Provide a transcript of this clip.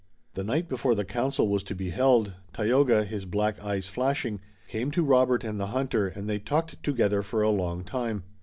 The night before the council was to be held, Tayoga, his black eyes flashing, came to Robert and the hunter and they talked together for a long time.